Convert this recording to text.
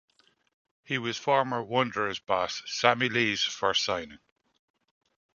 He was former Wanderers' boss, Sammy Lee's first signing.